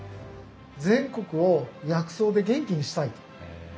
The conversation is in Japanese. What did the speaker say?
全国を薬草で元気にしたいと。